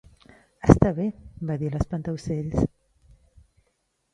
"Està bé", va dir l'Espantaocells.